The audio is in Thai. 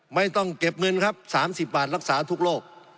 ไม่ต้องเก็บเงินครับ๓๐บาทรักษาทุกโรค